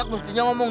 bunyi lagi tuh